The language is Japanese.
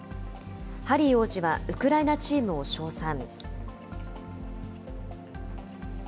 ハリー王子は、ウクライナチームを称賛。